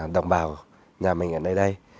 đồng bào nhà mình ở đây đây